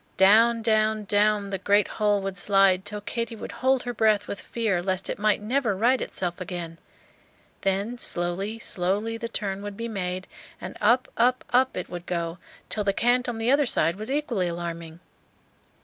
Down, down, down the great hull would slide till Katy would hold her breath with fear lest it might never right itself again; then slowly, slowly the turn would be made, and up, up, up it would go, till the cant on the other side was equally alarming.